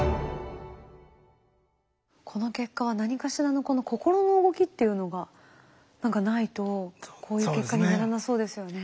この結果は何かしらのこの心の動きっていうのが何かないとこういう結果にならなそうですよね。